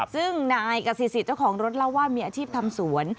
ซึ่งนายกษิตเจ้าของรถเล่าว่ามีอาชีพทำสวน